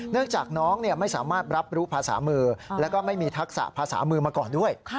จากน้องไม่สามารถรับรู้ภาษามือแล้วก็ไม่มีทักษะภาษามือมาก่อนด้วย